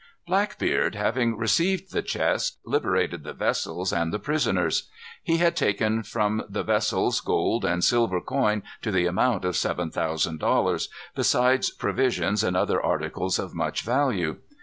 Blackbeard, having received the chest, liberated the vessels and the prisoners. He had taken from the vessels gold and silver coin to the amount of seven thousand dollars, besides provisions and other articles of much value.